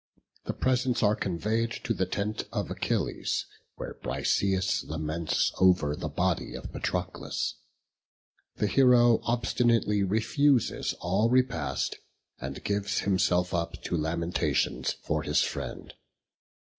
The presents are conveyed to the tent of Achilles: where Briseis laments over the body of Patroclus. The hero obstinately refuses all repast, and gives himself up to lamentations for his friend.